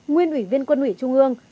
nguyên ủy viên quân ủy trung ương